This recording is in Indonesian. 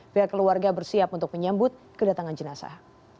pihak keluarga bersiap untuk menyambut kedatangan jenazah